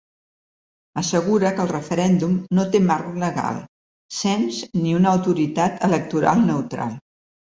Assegura que el referèndum no té marc legal, cens ni una autoritat electoral neutral.